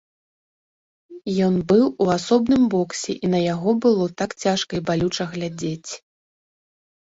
Ён быў у асобным боксе, і на яго было так цяжка і балюча глядзець.